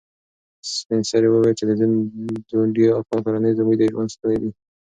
سپین سرې وویل چې د ځونډي اکا کورنۍ زموږ د ژوند ستنې دي.